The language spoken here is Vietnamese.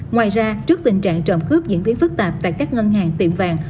ngoài ra trước tình trạng trộm cướp diễn biến phức tạp tại các ngân hàng tiệm vàng